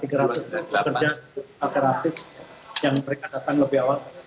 kerja akuratis yang mereka datang lebih awal